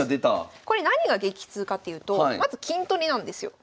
これ何が激痛かっていうとまず金取りなんですよ。